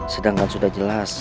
sedangkan sudah jelas